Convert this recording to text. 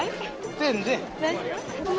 全然。